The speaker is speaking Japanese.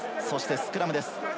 スクラムです。